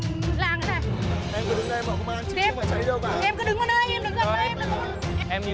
em cứ đứng đây mà không mang chị